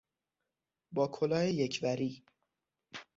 با کلاه یک وری